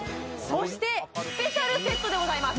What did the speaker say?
そしてスペシャルセットでございます！